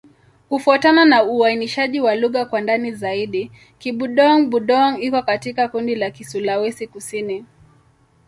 Kufuatana na uainishaji wa lugha kwa ndani zaidi, Kibudong-Budong iko katika kundi la Kisulawesi-Kusini.